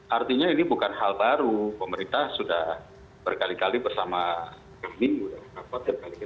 artinya ini bukan hal baru pemerintah sudah berkali kali bersama keminggu sudah mendapatkan